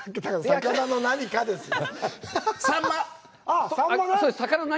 魚の何かですよ。